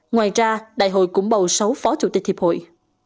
ngoài ra đại hội cũng bầu sáu phó chủ tịch hiệp hội